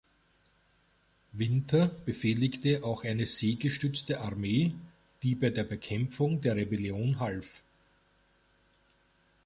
Winter befehligte auch eine seegestützte Armee, die bei der Bekämpfung der Rebellion half.